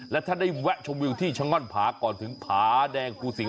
และถ้าได้แวะชมวิวที่ชะง่อนผาก่อนถึงผาแดงภูสิง